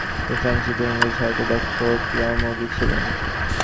তিনি সংস্কৃত ও ইংরাজী সাহিত্যে দক্ষ ও ক্রীড়ামোদী ছিলেন।